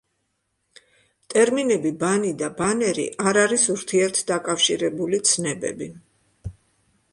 ტერმინები „ბანი“ და „ბანერი“ არ არის ურთიერთდაკავშირებული ცნებები.